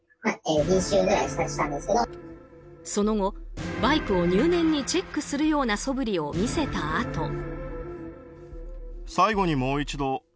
その後、バイクを入念にチェックするようなそぶりを見せたあと。